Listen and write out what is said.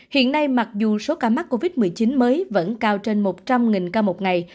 hiện nay mặc dù số ca mắc covid một mươi chín mới vẫn cao trên một trăm linh ca một ngày